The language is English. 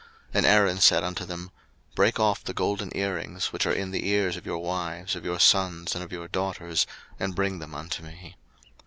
02:032:002 And Aaron said unto them, Break off the golden earrings, which are in the ears of your wives, of your sons, and of your daughters, and bring them unto me.